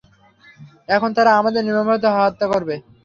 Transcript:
এখন তারা আমাদের নির্মমভাবে হত্যা করবে।